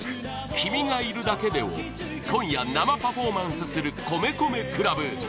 「君がいるだけで」を今夜、生パフォーマンスする米米ＣＬＵＢ